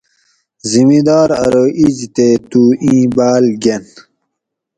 زمیدار ارو ایج تے تو اِیں باۤل گۤن